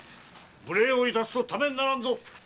無礼をいたすとためにならんぞ。